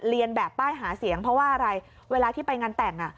เรียนแบบป้ายหาเสียงเพราะว่าอะไรเวลาที่ไปงานแต่ง